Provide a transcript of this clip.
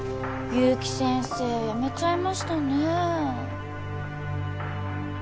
結城先生辞めちゃいましたね。